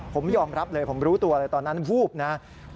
ผมยอมรับเลยผมรู้ตัวเลยตอนนั้นวูบนะครับ